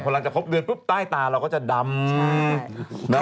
หลังจากครบเดือนปุ๊บใต้ตาเราก็จะดำ